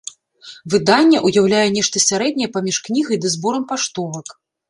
Выданне ўяўляе нешта сярэдняе паміж кнігай ды зборам паштовак.